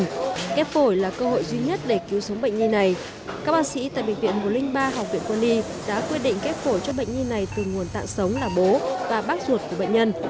ghép phổi là cơ hội duy nhất để cứu sống bệnh nhân này các bác sĩ tại bệnh viện một trăm linh ba học viện quân y đã quyết định ghép phổi cho bệnh nhi này từ nguồn tạng sống là bố và bác ruột của bệnh nhân